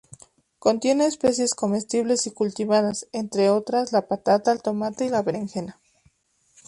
Contiene especies comestibles y cultivadas, entre otras la patata, el tomate y la berenjena.